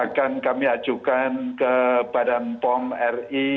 akan kami ajukan ke badan pom ri